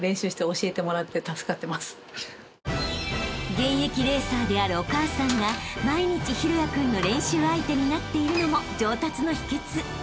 ［現役レーサーであるお母さんが毎日大也君の練習相手になっているのも上達の秘訣］